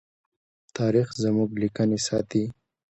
تاریخ زموږ لیکنې ساتي.